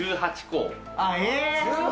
１８個！